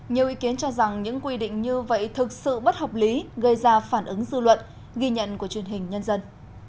nhiều ý kiến cho rằng những quy định như vậy thực sự bất hợp lý gây ra phản ứng dư luận ghi nhận của truyền hình nhân dân